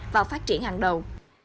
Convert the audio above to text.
vào phát triển hàng đầu